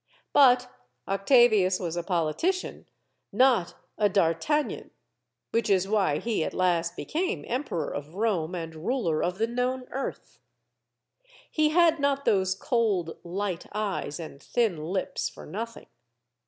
But Octavius was a politician, not a d'Artagnan; which is why he at last became Emperor of Rome and ruler of the known earth. He had not those cold, light eyes and thin lips for nothing.